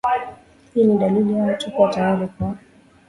hii ni dalili ya watu kuwa tayari kwa